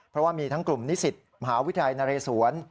เพราะว่ามีทั้งกลุ่มนิสิตมหาวิทยาลัยนเรศวร